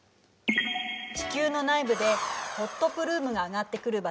地球の内部でホットプルームが上がってくる場所